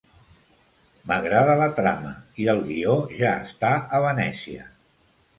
M'agrada la trama i el guió ja està a Venècia.